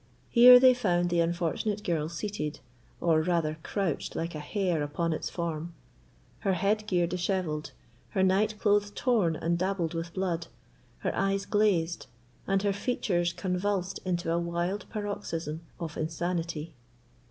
Here they found the unfortunate girl seated, or rather couched like a hare upon its form—her head gear dishevelled, her night clothes torn and dabbled with blood, her eyes glazed, and her features convulsed into a wild paroxysm of insanity.